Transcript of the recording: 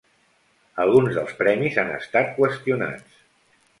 Alguns dels premis han estat qüestionats.